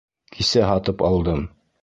Кисә һатып алдым.